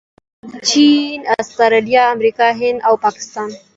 چین، اسټرلیا، امریکا، هند او پاکستان